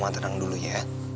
oma tenang dulu ya